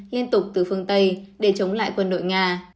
liên tục từ phương tây để chống lại quân đội nga